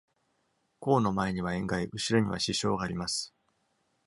孔の前には円蓋、後ろには視床があります。